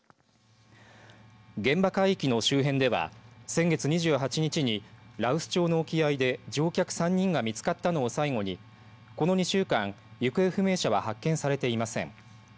現場海域の周辺では先月２８日に羅臼町の沖合で乗客３人が見つかったのを最後にこの２週間、行方不明者は発見されていません。